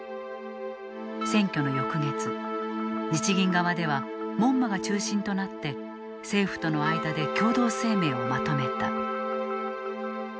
選挙の翌月日銀側では門間が中心となって政府との間で共同声明をまとめた。